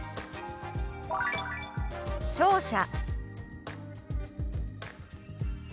「聴者」。